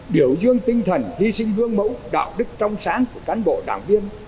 điều dương tinh thần hy sinh hương mẫu đạo đức trong sáng của cán bộ đảng viên